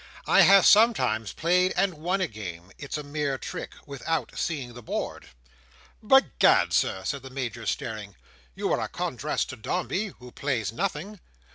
"I have sometimes played, and won a game—it's a mere trick—without seeing the board." "By Gad, Sir!" said the Major, staring, "you are a contrast to Dombey, who plays nothing."